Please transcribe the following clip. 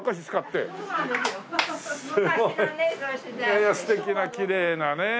いやいや素敵なきれいなねえ。